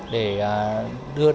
để tạo ra một bộ nhận diện